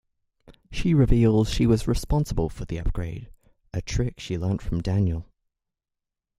She reveals she was responsible for the upgrade, a trick she learned from Daniel.